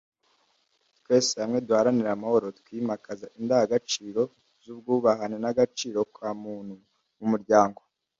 “Twese hamwe duharanire amahoro twimakaza indangagaciro z’ubwubahane n’agaciro ka muntu mu muryango”